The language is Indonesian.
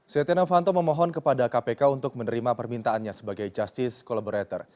setia novanto memohon kepada kpk untuk menerima permintaannya sebagai justice collaborator